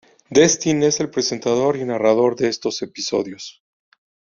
Destin es el presentador y narrador de estos episodios.